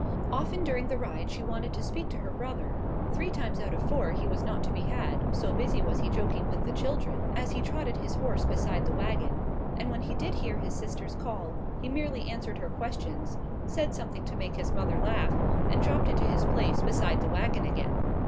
Often during the ride she wanted to speak to her brother: three times out of four he was not to be had, so busy was he joking with the children, as he trotted his horse beside the waggon; and when he did hear his sister's call he merely answered her questions, said something to make his mother laugh, and dropped into his place beside the waggon again.